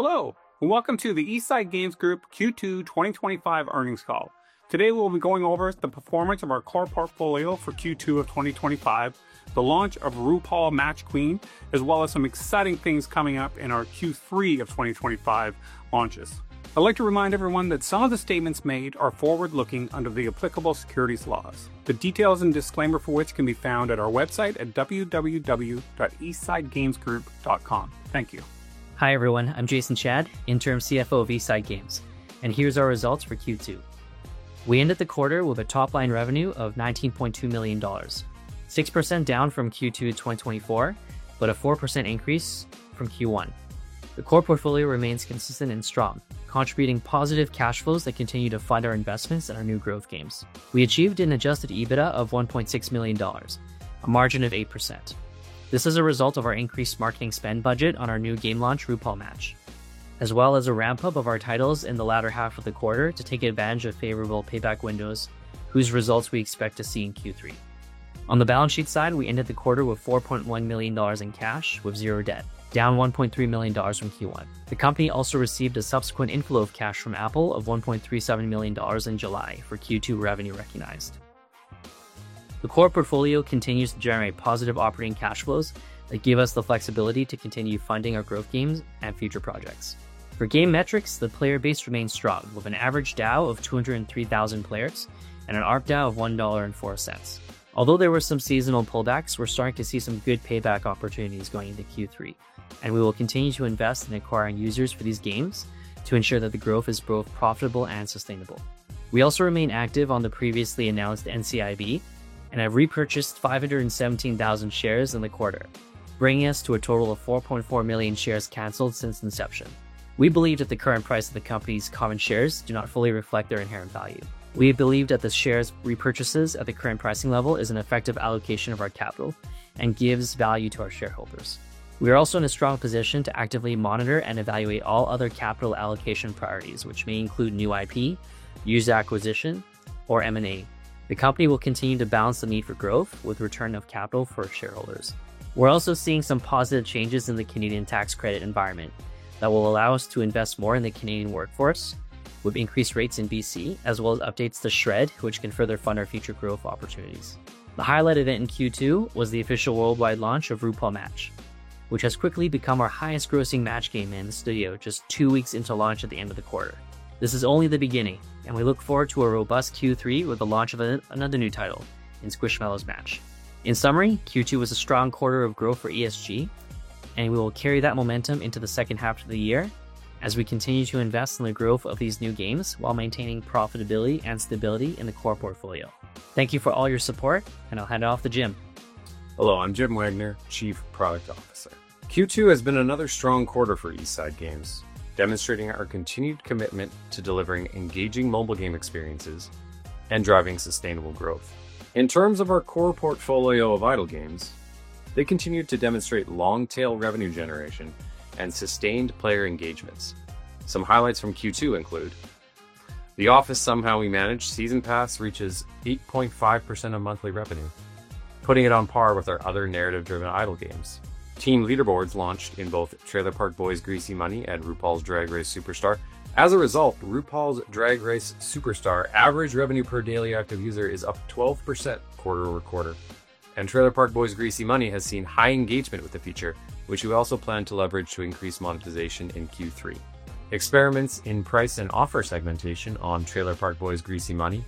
Hello and welcome to the East Side Games Group Q2 2025 earnings call. Today, we'll be going over the performance of our core portfolio for Q2 of 2025, the launch of RuPaul's Match Queen, as well as some exciting things coming up in our Q3 of 2025 launches. I'd like to remind everyone that some of the statements made are forward-looking under the applicable securities laws. The details and disclaimer for which can be found at our website at www.eastsidegamesgroup.com. Thank you. Hi everyone, I'm Jason Chan, Interim CFO of East Side Games, and here's our results for Q2. We ended the quarter with a top-line revenue of $19.2 million, 6% down from Q2 2023, but a 4% increase from Q1. The core portfolio remains consistent and strong, contributing positive cash flows that continue to fund our investments and our new growth games. We achieved an adjusted EBITDA of $1.6 million, a margin of 8%. This is a result of our increased marketing spend budget on our new game launch, RuPaul's Match, as well as a ramp-up of our titles in the latter half of the quarter to take advantage of favorable payback windows, whose results we expect to see in Q3. On the balance sheet side, we ended the quarter with $4.1 million in cash, with zero debt, down $1.3 million from Q1. The company also received a subsequent inflow of cash from Apple of $1.37 million in July for Q2 revenue recognized. The core portfolio continues to generate positive operating cash flows that give us the flexibility to continue funding our growth games and future projects. For game metrics, the player base remains strong, with an average DAO of 203,000 players and an ARP DAO of $1.04. Although there were some seasonal pullbacks, we're starting to see some good payback opportunities going into Q3, and we will continue to invest in acquiring users for these games to ensure that the growth is both profitable and sustainable. We also remain active on the previously announced NCIB, and have repurchased 517,000 shares in the quarter, bringing us to a total of 4.4 million shares canceled since inception. We believe that the current price of the company's common shares does not fully reflect their inherent value. We believe that the shares repurchases at the current pricing level are an effective allocation of our capital and give value to our shareholders. We are also in a strong position to actively monitor and evaluate all other capital allocation priorities, which may include new IP, user acquisition, or M&A. The company will continue to balance the need for growth with return of capital for shareholders. We're also seeing some positive changes in the Canadian tax credit environment that will allow us to invest more in the Canadian workforce, with increased rates in BC, as well as updates to SR&ED, which can further fund our future growth opportunities. The highlight event in Q2 was the official worldwide launch of RuPaul's Match, which has quickly become our highest-grossing match-three game in the studio, just two weeks into launch at the end of the quarter. This is only the beginning, and we look forward to a robust Q3 with the launch of another new title, Squishmallows Match. In summary, Q2 was a strong quarter of growth for ESG, and we will carry that momentum into the second half of the year as we continue to invest in the growth of these new games while maintaining profitability and stability in the core portfolio. Thank you for all your support, and I'll hand it off to Jim. Hello, I'm Jim Wagner, Chief Product Officer. Q2 has been another strong quarter for East Side Games, demonstrating our continued commitment to delivering engaging mobile game experiences and driving sustainable growth. In terms of our core portfolio of idle games, they continued to demonstrate long-tail revenue generation and sustained player engagements. Some highlights from Q2 include The Office: Somehow We Manage season pass reaches 8.5% of monthly revenue, putting it on par with our other narrative-driven idle games. Team leaderboards launched in both Trailer Park Boys: Greasy Money and RuPaul's Drag Race Superstar. As a result, RuPaul's Drag Race Superstar average revenue per daily active user is up 12% quarter-over-quarter, and Trailer Park Boys: Greasy Money has seen high engagement with the feature, which we also plan to leverage to increase monetization in Q3. Experiments in price and offer segmentation on Trailer Park Boys: Greasy Money,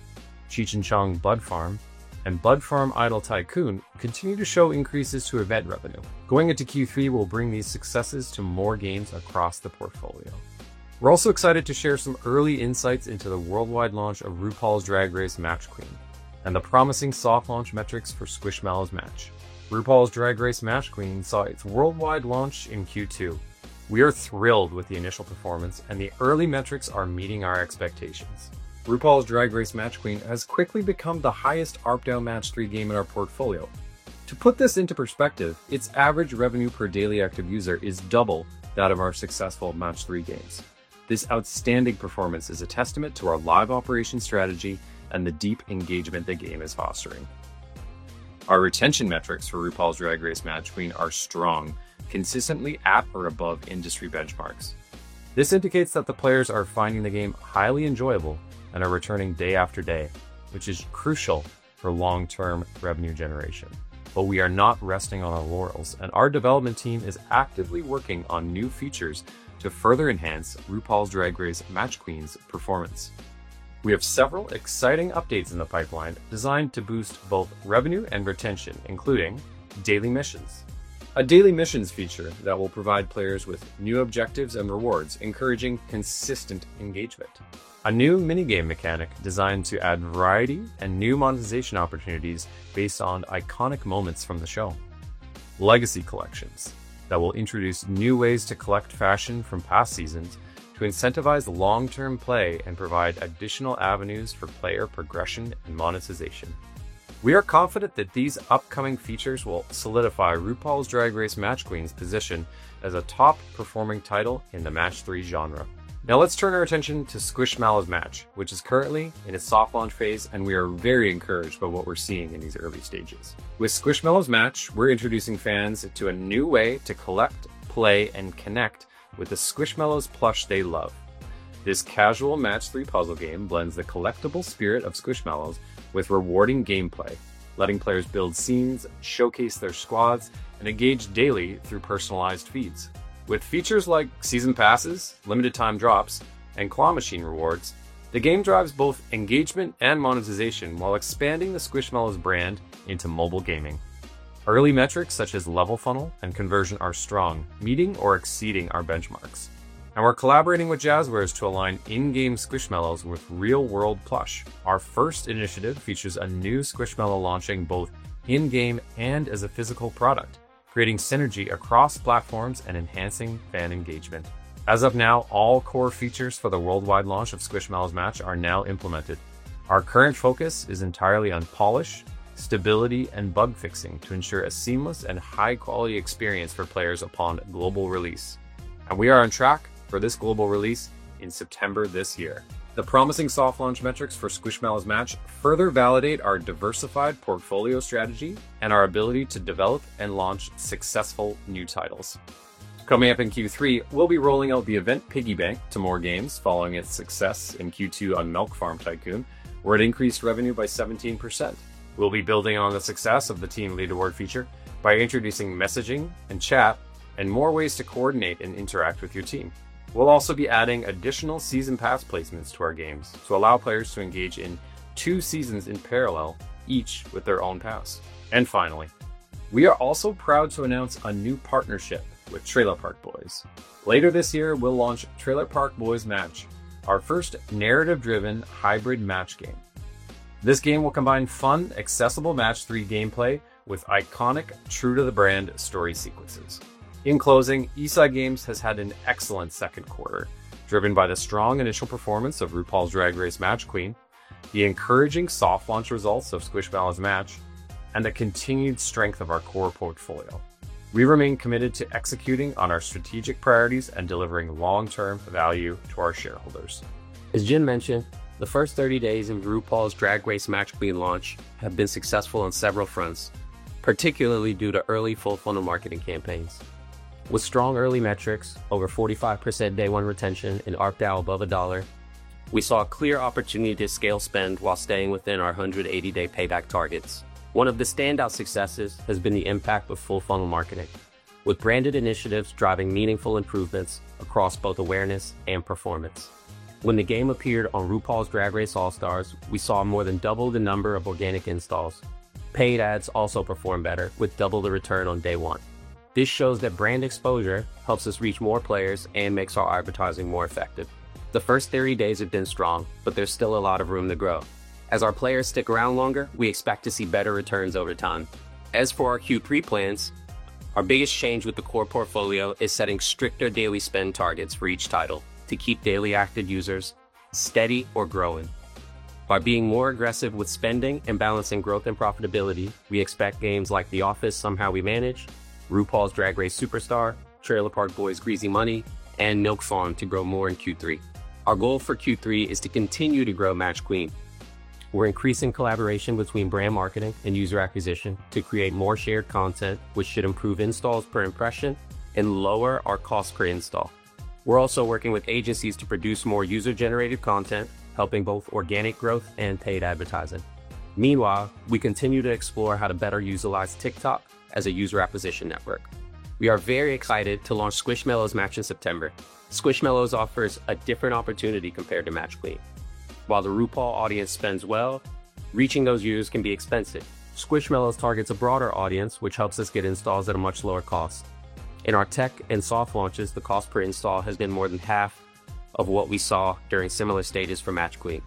Cheech and Chong Bud Farm, and Bud Farm: Idle Tycoon continue to show increases to event revenue. Going into Q3 will bring these successes to more gains across the portfolio. We're also excited to share some early insights into the worldwide launch of RuPaul's Drag Race Match and the promising soft launch metrics for Squishmallows Match. RuPaul's Drag Race Match saw its worldwide launch in Q2. We are thrilled with the initial performance, and the early metrics are meeting our expectations. RuPaul's Drag Race Match Queen has quickly become the highest ARP DAO match-three game in our portfolio. To put this into perspective, its average revenue per daily active user is double that of our successful match-three games. This outstanding performance is a testament to our live operations strategy and the deep engagement the game is fostering. Our retention metrics for RuPaul's Drag Race Match Queen are strong, consistently at or above industry benchmarks. This indicates that the players are finding the game highly enjoyable and are returning day after day, which is crucial for long-term revenue generation. We are not resting on our laurels, and our development team is actively working on new features to further enhance RuPaul's Drag Race Match Queen's performance. We have several exciting updates in the pipeline designed to boost both revenue and retention, including daily missions. A daily missions feature that will provide players with new objectives and rewards, encouraging consistent engagement. A new mini-game mechanic designed to add variety and new monetization opportunities based on iconic moments from the show. Legacy collections that will introduce new ways to collect fashion from past seasons to incentivize long-term play and provide additional avenues for player progression and monetization. We are confident that these upcoming features will solidify RuPaul's Drag Race Match Queen's position as a top-performing title in the match-three genre. Now let's turn our attention to Squishmallows Match, which is currently in a soft launch phase, and we are very encouraged by what we're seeing in these early stages. With Squishmallows Match, we're introducing fans to a new way to collect, play, and connect with the Squishmallows plush they love. This casual match-three puzzle game blends the collectible spirit of Squishmallows with rewarding gameplay, letting players build scenes, showcase their squads, and engage daily through personalized feeds. With features like season passes, limited time drops, and claw machine rewards, the game drives both engagement and monetization while expanding the Squishmallows brand into mobile gaming. Early metrics such as level funnel and conversion are strong, meeting or exceeding our benchmarks. We are collaborating with Jazwares to align in-game Squishmallows with real-world plush. Our first initiative features a new Squishmallow launching both in-game and as a physical product, creating synergy across platforms and enhancing fan engagement. As of now, all core features for the worldwide launch of Squishmallows Match are now implemented. Our current focus is entirely on polish, stability, and bug fixing to ensure a seamless and high-quality experience for players upon global release. We are on track for this global release in September this year. The promising soft launch metrics for Squishmallows Match further validate our diversified portfolio strategy and our ability to develop and launch successful new titles. Coming up in Q3, we'll be rolling out the event Piggy Bank to more games following its success in Q2 on Bud Farm: Idle Tycoon, where it increased revenue by 17%. We'll be building on the success of the team leaderboard feature by introducing messaging and chat and more ways to coordinate and interact with your team. We'll also be adding additional season pass placements to our games to allow players to engage in two seasons in parallel, each with their own pass. We are also proud to announce a new partnership with Trailer Park Boys. Later this year, we'll launch Trailer Park Boys: Match, our first narrative-driven hybrid match game. This game will combine fun, accessible match-three gameplay with iconic, true-to-the-brand story sequences. In closing, East Side Games has had an excellent second quarter, driven by the strong initial performance of RuPaul's Drag Race Match Queen, the encouraging soft launch results of Squishmallows Match, and the continued strength of our core portfolio. We remain committed to executing on our strategic priorities and delivering long-term value to our shareholders. As Jim mentioned, the first 30 days of RuPaul's Drag Race Match Queen launch have been successful on several fronts, particularly due to early full-funnel marketing campaigns. With strong early metrics, over 45% day-one retention and ARP DAO above $1, we saw a clear opportunity to scale spend while staying within our 180-day payback targets. One of the standout successes has been the impact of full-funnel marketing, with branded initiatives driving meaningful improvements across both awareness and performance. When the game appeared on RuPaul's Drag Race All-Stars, we saw more than double the number of organic installs. Paid ads also performed better, with double the return on day one. This shows that brand exposure helps us reach more players and makes our advertising more effective. The first 30 days have been strong, but there's still a lot of room to grow. As our players stick around longer, we expect to see better returns over time. As for our Q3 plans, our biggest change with the core portfolio is setting stricter daily spend targets for each title to keep daily active users steady or growing. By being more aggressive with spending and balancing growth and profitability, we expect games like The Office: Somehow We Manage, RuPaul's Drag Race Superstar, Trailer Park Boys: Greasy Money, and Bud Farm: Idle Tycoon to grow more in Q3. Our goal for Q3 is to continue to grow Match Queen. We're increasing collaboration between brand marketing and user acquisition to create more shared content, which should improve installs per impression and lower our cost per install. We're also working with agencies to produce more user-generated content, helping both organic growth and paid advertising. Meanwhile, we continue to explore how to better utilize TikTok as a user acquisition network. We are very excited to launch Squishmallows Match in September. Squishmallows offers a different opportunity compared to Match Queen. While the RuPaul audience spends well, reaching those users can be expensive. Squishmallows targets a broader audience, which helps us get installs at a much lower cost. In our tech and soft launches, the cost per install has been more than half of what we saw during similar stages for Match Queen.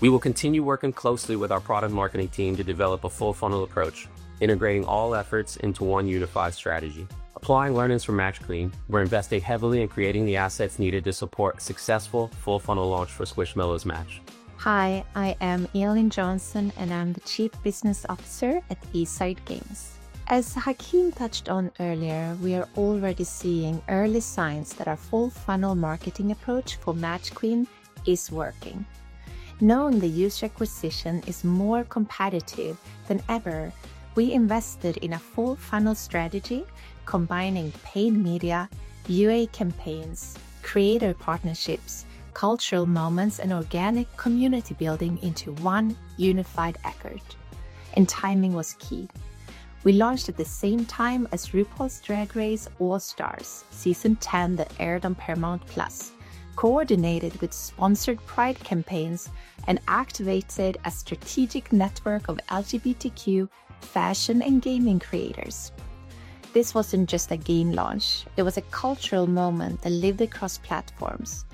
We will continue working closely with our product marketing team to develop a full-funnel approach, integrating all efforts into one unified strategy. Applying learnings from Match Queen, we're investing heavily in creating the assets needed to support a successful full-funnel launch for Squishmallows Match. Hi, I am Elin Jonsson, and I'm the Chief Business Officer at East Side Games. As Hakeem touched on earlier, we are already seeing early signs that our full-funnel marketing approach for Match Queen is working. Knowing the user acquisition is more competitive than ever, we invested in a full-funnel strategy, combining paid media, UA campaigns, creator partnerships, cultural moments, and organic community building into one unified effort. Timing was key. We launched at the same time as RuPaul's Drag Race All-Stars, Season 10 that aired on Paramount+, coordinated with sponsored Pride campaigns, and activated a strategic network of LGBTQ fashion and gaming creators. This wasn't just a game launch; it was a cultural moment that lived across platforms.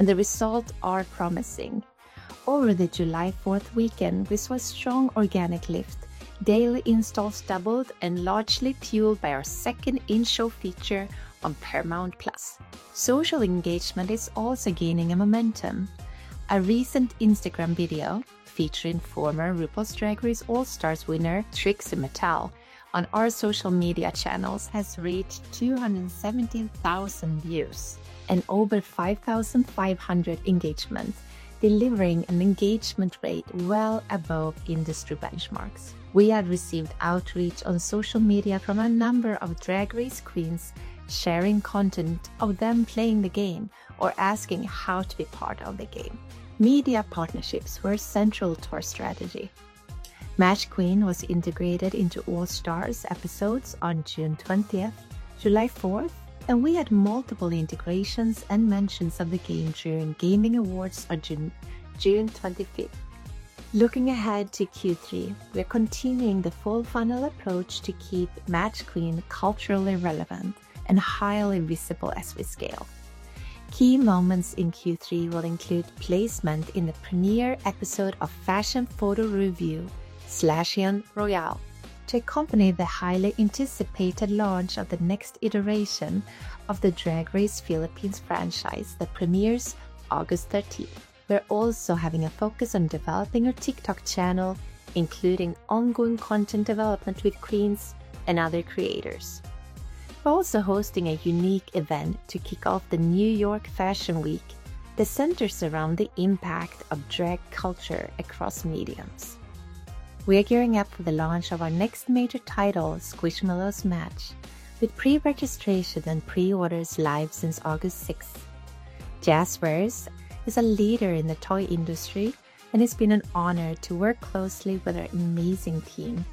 The results are promising. Over the July 4th weekend, we saw a strong organic lift. Daily installs doubled and were largely fueled by our second in-show feature on Paramount+. Social engagement is also gaining momentum. A recent Instagram video featuring former RuPaul's Drag Race All-Stars winner Trixie Mattel on our social media channels has reached 217,000 views and over 5,500 engagements, delivering an engagement rate well above industry benchmarks. We had received outreach on social media from a number of Drag Race Queens sharing content of them playing the game or asking how to be part of the game. Media partnerships were central to our strategy. Match Queen was integrated into All-Stars episodes on June 20th, July 4th, and we had multiple integrations and mentions of the game during Gaming Awards on June 25th. Looking ahead to Q3, we are continuing the full-funnel approach to keep Match Queen culturally relevant and highly visible as we scale. Key moments in Q3 will include placement in the premiere episode of Fashion Photo Review: Slashion Royale, to accompany the highly anticipated launch of the next iteration of the Drag Race Philippines franchise that premieres August 13. We're also having a focus on developing our TikTok channel, including ongoing content development with Queens and other creators. We're also hosting a unique event to kick off the New York Fashion Week that centers around the impact of drag culture across mediums. We are gearing up for the launch of our next major title, Squishmallows Match, with pre-registration and pre-orders live since August 6. Jazwares is a leader in the toy industry, and it's been an honor to work closely with our amazing team.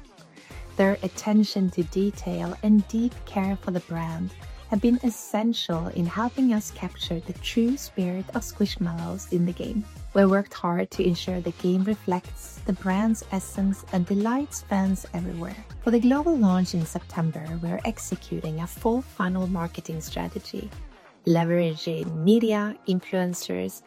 Their attention to detail and deep care for the brand have been essential in helping us capture the true spirit of Squishmallows in the game. We worked hard to ensure the game reflects the brand's essence and delights fans everywhere. For the global launch in September, we're executing a full-funnel marketing strategy, leveraging media, influencers,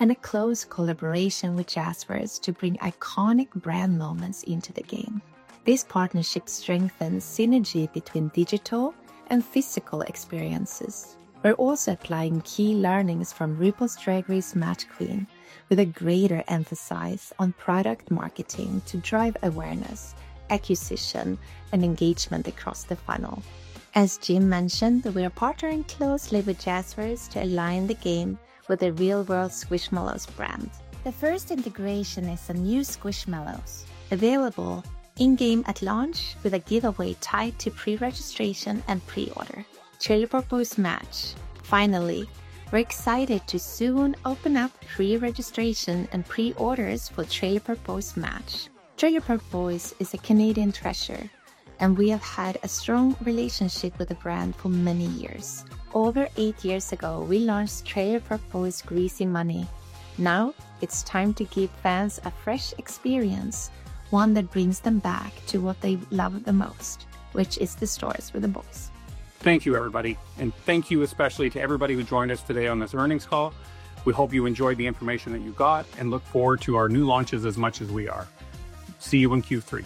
and a close collaboration with Jazwares to bring iconic brand moments into the game. This partnership strengthens synergy between digital and physical experiences. We're also applying key learnings from RuPaul's Drag Race Match Queen, with a greater emphasis on product marketing to drive awareness, acquisition, and engagement across the funnel. As Jim mentioned, we are partnering closely with Jazwares to align the game with the real-world Squishmallows brand. The first integration is a new Squishmallows available in-game at launch, with a giveaway tied to pre-registration and pre-order. Finally, we're excited to soon open up pre-registration and pre-orders for Trailer Park Boys: Match. Trailer Park Boys is a Canadian treasure, and we have had a strong relationship with the brand for many years. Over eight years ago, we launched Trailer Park Boys: Greasy Money. Now it's time to give fans a fresh experience, one that brings them back to what they love the most, which is the stories for the boys. Thank you, everybody, and thank you especially to everybody who joined us today on this earnings call. We hope you enjoyed the information that you got and look forward to our new launches as much as we are. See you in Q3.